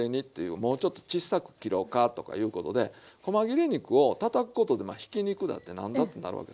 もうちょっとちっさく切ろうかとかいうことでこま切れ肉をたたくことでひき肉だって何だってなるわけですね。